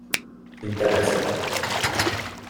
Une tabatière.